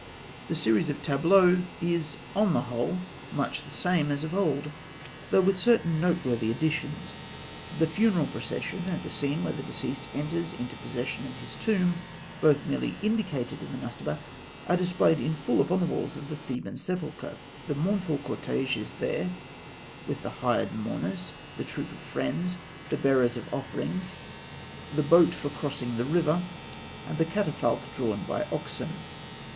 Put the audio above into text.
The series of tableaux is, on the whole, much the same as of old, though with certain noteworthy additions. The funeral procession, and the scene where the deceased enters into possession of his tomb, both merely indicated in the mastaba, are displayed in full upon the walls of the Theban sepulchre. The mournful cortège is there, with the hired mourners, the troops of friends, the bearers of offerings, the boats for crossing the river, and the catafalque drawn by oxen.